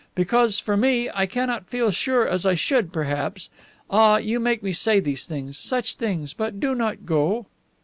"Because, for me, I cannot feel sure as I should, perhaps. Ah, you make me say these things. Such things! But do not go."